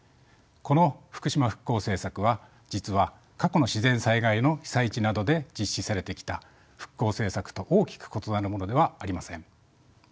この福島復興政策は実は過去の自然災害の被災地などで実施されてきた復興政策と大きく異なるものではありません。